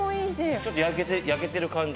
ちょっと焼けてる感じ。